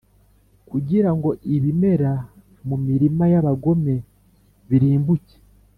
kugira ngo ibimera mu mirima y’abagome birimbuke.